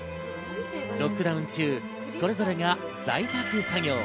ロックダウン中、それぞれが在宅作業。